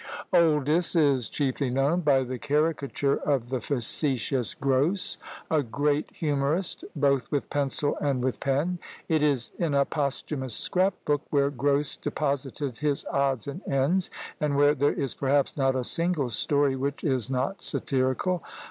Oldys is chiefly known by the caricature of the facetious Grose; a great humourist, both with pencil and with pen: it is in a posthumous scrap book, where Grose deposited his odds and ends, and where there is perhaps not a single story which is not satirical.